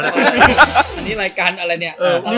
อันนี้รายการอะไรเนี่ย